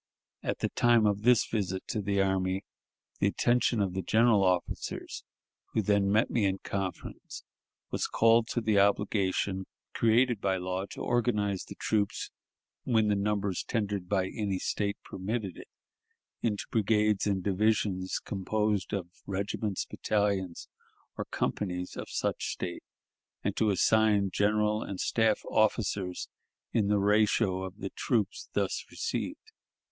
At the time of this visit to the army, the attention of the general officers, who then met me in conference, was called to the obligation created by law to organize the troops, when the numbers tendered by any State permitted it, into brigades and divisions composed of the regiments, battalions, or companies of such State, and to assign general and staff officers in the ratio of the troops thus received.